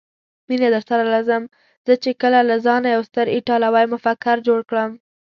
مینه درسره لرم، زه چې کله له ځانه یو ستر ایټالوي مفکر جوړ کړم.